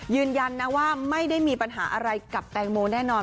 ยืนยันนะว่าไม่ได้มีปัญหาอะไรกับแตงโมแน่นอน